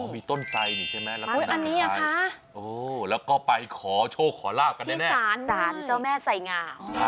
อ๋อมีต้นไสนี่ใช่มั้ยอันนี้ค่ะแล้วก็ไปขอโชคขอลาบกันแน่ที่ศาลเจ้าแม่ไสยงาม